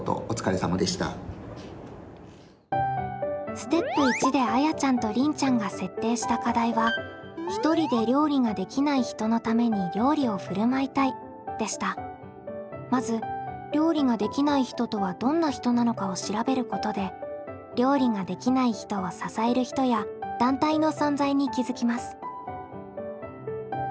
ステップ１であやちゃんとりんちゃんが設定した課題はまず料理ができない人とはどんな人なのかを調べることで料理ができない人を支える人や団体の存在に気付きます。